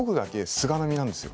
そうなんですよ。